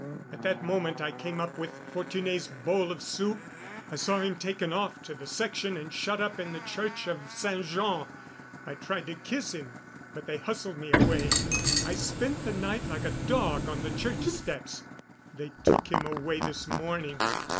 At that moment I came up with Fortuné's bowl of soup. I saw him taken off to the Section and shut up in the church of Saint Jean. I tried to kiss him, but they hustled me away. I spent the night like a dog on the church steps.... They took him away this morning...."